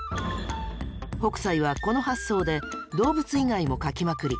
北斎はこの発想で動物以外も描きまくり。